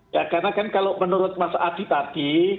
ya karena kan kalau menurut mas adi tadi